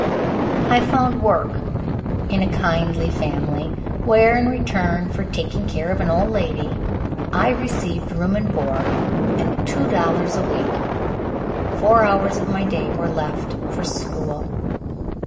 I found work in a kindly family, where, in return for taking care of an old lady, I received room and board and two dollars a week. Four hours of my day were left for school.